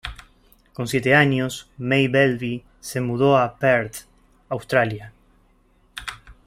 Con siete años, May-Welby se mudó a Perth, Australia.